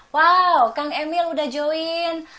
wow kang emil udah join